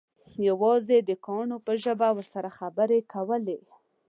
یوازې د کاڼو په ژبه ورسره خبرې کولې.